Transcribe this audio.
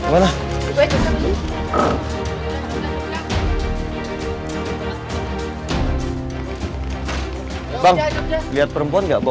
bawa bayi banget masih muda